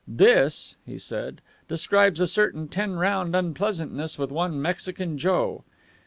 "This," he said, "describes a certain ten round unpleasantness with one Mexican Joe.